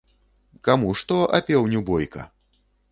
Каму што, а пеўню ‒ бойка